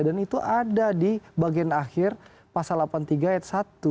dan itu ada di bagian akhir pasal delapan puluh tiga et satu